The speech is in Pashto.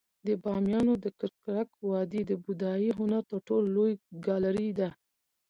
د بامیانو د ککرک وادي د بودايي هنر تر ټولو لوی ګالري ده